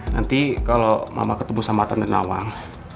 nanti kalo mama ketemu sama tarna nawang